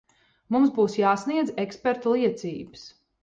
Mums būs jāsniedz ekspertu liecības.